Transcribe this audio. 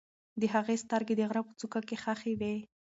د هغې سترګې د غره په څوکه کې خښې وې.